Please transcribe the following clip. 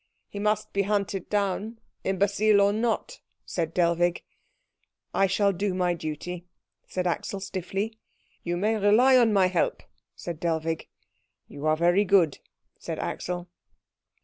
"He must be hunted down, imbecile or not," said Dellwig. "I shall do my duty," said Axel stiffly. "You may rely on my help," said Dellwig. "You are very good," said Axel.